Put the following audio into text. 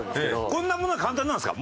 こんなものは簡単なんですか？